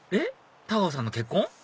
太川さんの結婚？